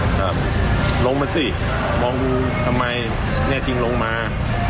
ครับลงมาสิมองทำไมแน่จริงลงมา